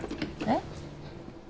えっ？